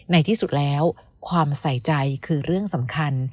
ในที่สุดแล้วความใส่ใจคือเรื่องสำคัญ